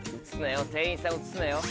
店員さん映すなよ。